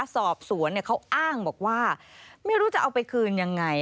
สอบสวนเขาอ้างบอกว่าไม่รู้จะเอาไปคืนยังไง